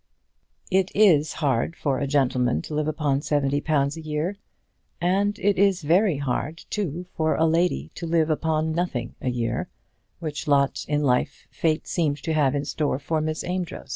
It is hard for a gentleman to live upon seventy pounds a year; and it is very hard, too, for a lady to live upon nothing a year, which lot in life fate seemed to have in store for Miss Amedroz.